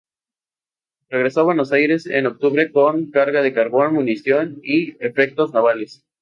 Regresó a Buenos Aires en octubre con carga de carbón, munición y efectos navales.